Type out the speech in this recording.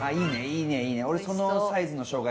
いいねいいね俺。